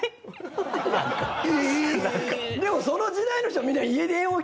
でもその時代の人みんな家電を聞いて。